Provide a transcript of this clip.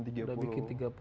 sudah bikin tiga puluh